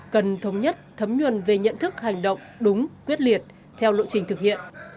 cần thống nhất thấm nhuần về nhận thức hành động đúng quyết liệt theo lộ trình thực hiện